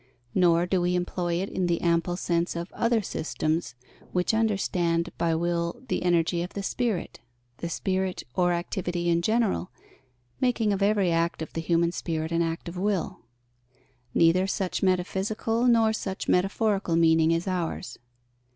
Nor do we employ it in the ample sense of other systems, which understand by will the energy of the spirit, the spirit or activity in general, making of every act of the human spirit an act of will. Neither such metaphysical nor such metaphorical meaning is ours.